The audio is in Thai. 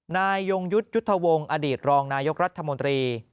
ยงยุทธ์ยุทธวงศ์อดีตรองนายกรัฐมนตรี